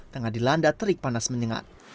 tengah dilanda terik panas menyengat